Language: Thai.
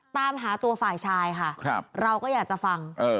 ตามหาตัวฝ่ายชายค่ะเราก็อยากจะฟัง